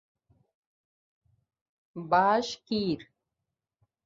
Bashkir